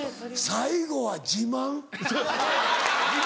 最後は自慢！